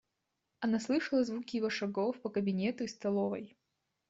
Она слышала звуки его шагов по кабинету и столовой.